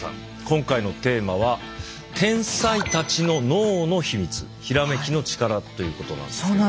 今回のテーマは天才たちの脳の秘密ひらめきの力ということなんですけれど。